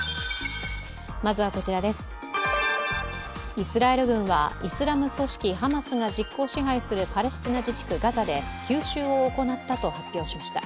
イスラエル軍はイスラム組織ハマスが実効支配するパレスチナ自治区ガザで急襲を行ったと発表しました。